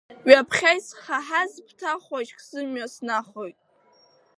Ҩаԥхьа исхаҳаз ԥҭа-хәашьк зымҩа снахоит…